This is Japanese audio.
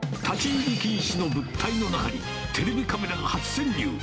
立ち入り禁止の物体の中に、テレビカメラが初潜入。